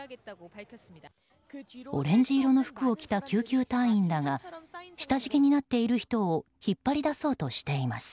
オレンジ色の服を着た救急隊員らが下敷きになっている人を引っ張り出そうとしています。